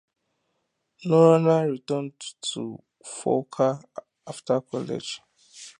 Noronha returned to Funchal after college.